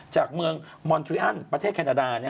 จากเมืองมอนทริอันประเทศแคนาดา